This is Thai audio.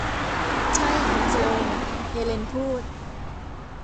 ใช่ มองซิเออร์ เฮเลนพูด